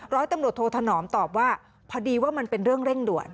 ร้อยตำรวจโทธนอมตอบว่าพอดีว่ามันเป็นเรื่องเร่งด่วน